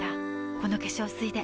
この化粧水で